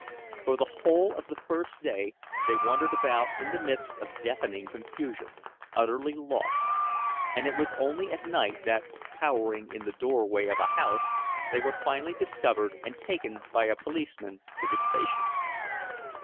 For the whole of the first day they wandered about in the midst of deafening confusion, utterly lost; and it was only at night that, cowering in the doorway of a house, they were finally discovered and taken by a policeman to the station.